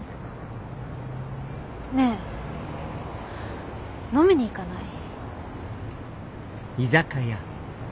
ねえ飲みに行かない？